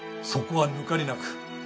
そこは抜かりなく。